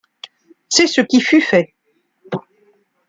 C’est ce qui fut fait.